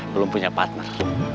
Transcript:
belum punya partner